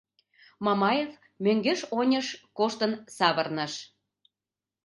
Мамаев мӧҥгеш-оньыш коштын савырныш.